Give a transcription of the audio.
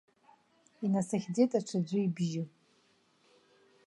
Инасыхьӡеит аҽаӡәы ибжьы.